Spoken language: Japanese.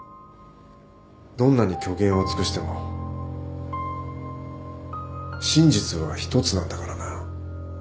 どんなに虚言を尽くしても真実は１つなんだからな。